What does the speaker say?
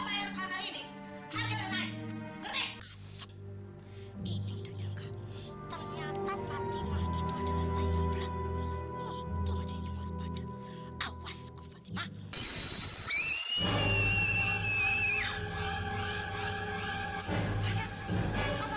enggak malu malaunya cukup